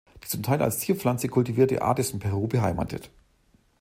Die zum Teil als Zierpflanze kultivierte Art ist in Peru beheimatet.